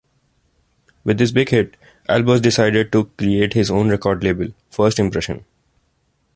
With this big hit, Albers decided to create his own record label, First Impression.